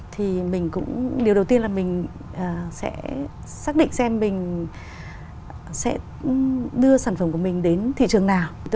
thì mình cũng điều đầu tiên là mình sẽ xác định xem mình sẽ đưa sản phẩm của mình đến thị trường nào